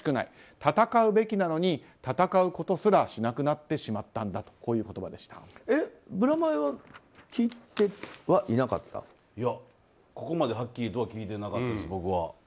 戦うべきなのに戦うことすらしなくなってしまったブラマヨはいや、ここまではっきりとは聞いてなかったです、僕は。